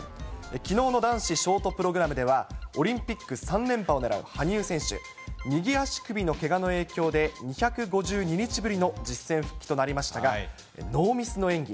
きのうの男子ショートプログラムでは、オリンピック３連覇を狙う羽生選手、右足首のけがの影響で、２５２日ぶりの実践復帰となりましたが、ノーミスの演技。